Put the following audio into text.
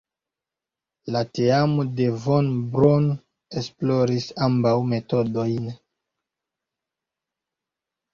La teamo de Von Braun esploris ambaŭ metodojn.